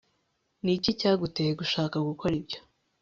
ni iki cyaguteye gushaka gukora ibyo